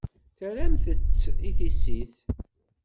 Terramt-tt i tissit.